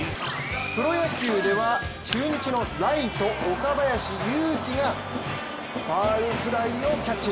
プロ野球では中日のライト岡林勇希がファウルフライをキャッチ。